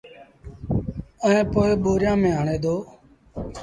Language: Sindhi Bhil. ائيٚݩ پو ٻوريآݩ ميݩ هڻي دو